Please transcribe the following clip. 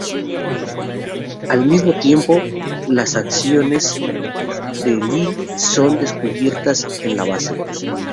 Al mismo tiempo, las acciones de Lee son descubiertas en la base.